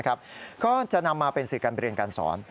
ก็จะนำมาเป็นสื่อการเรียนการสอน